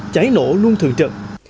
trái nổ luôn thường trận